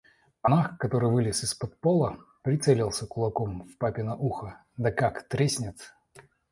Монах, который вылез из-под пола, прицелился кулаком в папино ухо, да как треснет!